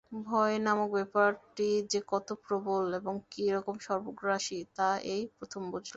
ভয় নামক ব্যাপারটি যে কত প্রবল এবং কী-রকম সর্বগ্রাসী, তা এই প্রথম বুঝলাম।